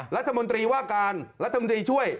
รัฐมนตรีว่าการรัฐมนตรีช่วย